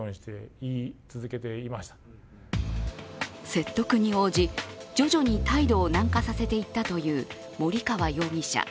説得に応じ、徐々に態度を軟化させていったという森川容疑者。